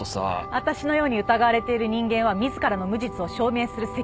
私のように疑われている人間は自らの無実を証明する責任はない。